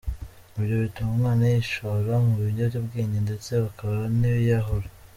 "Ibyo bituma umwana yishora mu biyobyabwenge ndetse hakaba n’abiyahura.